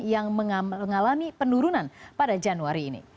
yang mengalami penurunan pada januari ini